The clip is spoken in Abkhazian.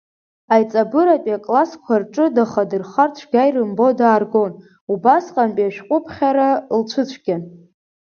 Аиҵбыратәи аклассқәа рҿы дахадырхар цәгьа ирымбо дааргон, убасҟатәи ашәҟәыԥхьара лцәыцәгьан.